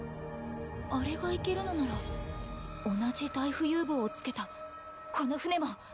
「あれが行けるのなら同じ大浮遊棒をつけたこの船も」